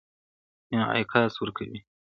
• انعکلس ورکوي -